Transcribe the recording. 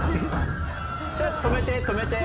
ちょっと、止めて、止めて。